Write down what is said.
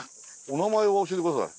お名前を教えて下さい。